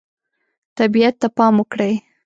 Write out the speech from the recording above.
طبیعت ته پام وکړئ.